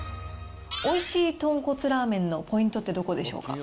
おいしい豚骨ラーメンのポイントってどこでしょうか？